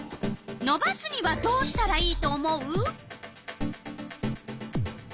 のばすにはどうしたらいいと思う？